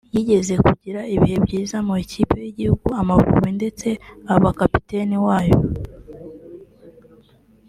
yigeze kugira ibihe byiza mu ikipe y’igihugu Amavubi ndetse aba kapiteni wayo